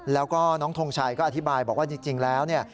แล้วก็น้องทงชัยก็อธิบายบอกว่าจริงแล้วเนี่ย